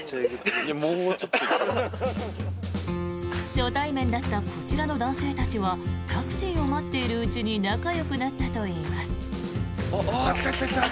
初対面だったこちらの男性たちはタクシーを待っているうちに仲よくなったといいます。